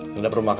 tidak berumah kaki